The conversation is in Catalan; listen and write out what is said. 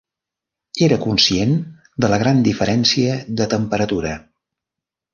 Era conscient de la gran diferència de temperatura.